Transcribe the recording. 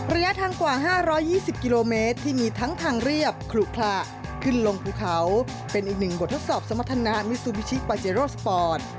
ระยะทางกว่า๕๒๐กิโลเมตรที่มีทั้งทางเรียบขลุขระขึ้นลงภูเขาเป็นอีกหนึ่งบททดสอบสมรรถนะมิซูบิชิปาเจโรสปอร์ต